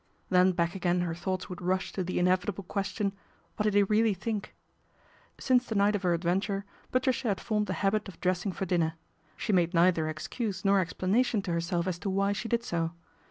Then back again her thoughts would rush to the inevitable ques tion, what did he really think ? Since the night of her adventure, Patricia had formed the habit of dressing for dinner. She made neither excuse nor explanation to herself as to why she did so.